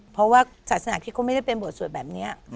เพราะว่าศาสนาที่เขาไม่ได้เป็นบทสวดแบบนี้